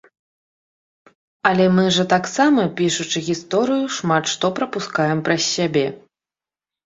Але мы жа таксама, пішучы гісторыю, шмат што прапускаем праз сябе.